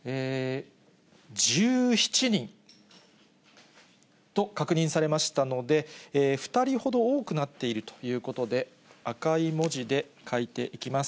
１７人と確認されましたので、２人ほど多くなっているということで、赤い文字で書いていきます。